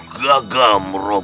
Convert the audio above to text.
kau tidak bisa menang